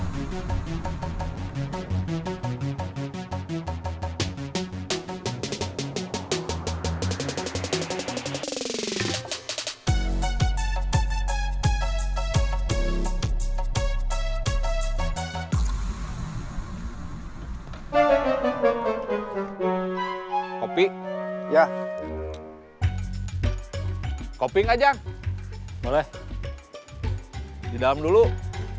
tapi ruth bertenang tuh